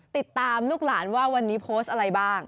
ติดตามลูกหลานว่าวันนี้โพสต์อะไรบ้าง